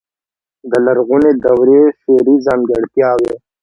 د لرغونې دورې شعري ځانګړتياوې.